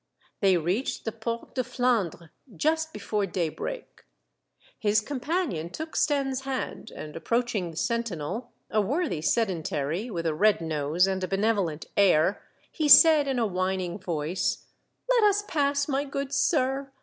They reached the Porte de Flandres just before daybreak. His companion took Stenne's hand, and, approaching the sentinel, — a worthy sedentary, with a red nose and a benevolent air, — he said in a whining voice, —" Let us pass, my good sir.